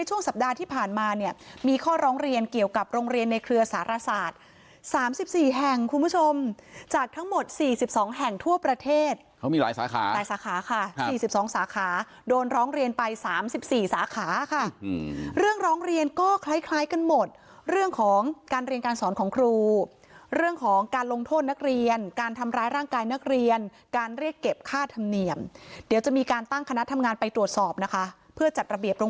แห่งคุณผู้ชมจากทั้งหมด๔๒แห่งทั่วประเทศเขามีหลายสาขาสาขาค่ะ๔๒สาขาโดนร้องเรียนไป๓๔สาขาค่ะเรื่องร้องเรียนก็คล้ายกันหมดเรื่องของการเรียนการสอนของครูเรื่องของการลงโทษนักเรียนการทำร้ายร่างกายนักเรียนการเรียกเก็บค่าธรรมเนียมเดี๋ยวจะมีการตั้งคณะทำงานไปตรวจสอบนะคะเพื่อจัดระเบียบโร